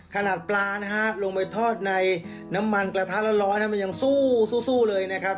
ขนาดปลานะฮะลงไปทอดในน้ำมันกระทะร้อนมันยังสู้เลยนะครับ